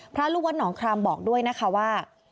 พระรุวัตน์หนองครามบอกด้วยนะคะว่า